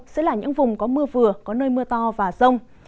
sẽ là những vùng có mưa vừa có nơi mưa to và rông